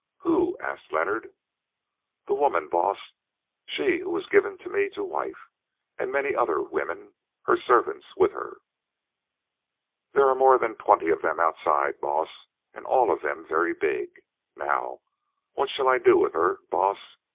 "Who?" asked Leonard. "The woman, Baas: she who was given to me to wife, and many other women—her servants—with her. There are more than twenty of them outside, Baas, and all of them very big. Now, what shall I do with her, Baas?